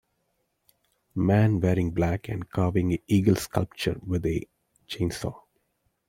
Man wearing black and carving an eagle sculpture with a chainsaw.